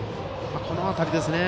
この辺りですね。